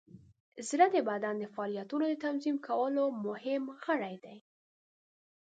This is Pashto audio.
زړه د بدن د فعالیتونو د تنظیم کولو مهم غړی دی.